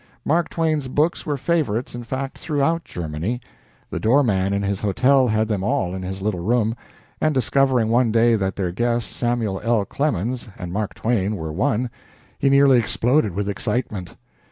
Mark Twain's books were favorites, in fact, throughout Germany. The door man in his hotel had them all in his little room, and, discovering one day that their guest, Samuel L. Clemens, and Mark Twain were one, he nearly exploded with excitement.